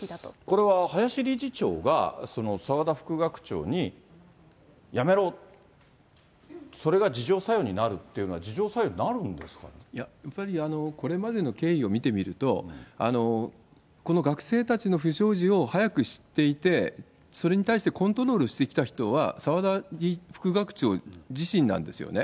これは林理事長が、澤田副学長に、辞めろ、それが自浄作用になるっていうのは、いや、やっぱりこれまでの経緯を見てみると、この学生たちの不祥事を早く知っていて、それに対してコントロールしてきた人は澤田副学長自身なんですよね。